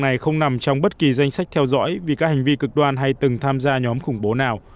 này không nằm trong bất kỳ danh sách theo dõi vì các hành vi cực đoan hay từng tham gia nhóm khủng bố nào